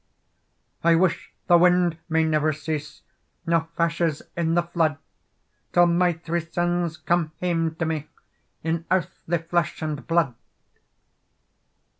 "I wish the wind may never cease, Nor fashes in the flood, Till my three sons come hame to me, In earthly flesh and blood!"